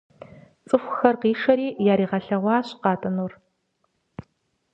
ЦӀыхухэр къишэри яригъэлъэгъуащ къатӀынур.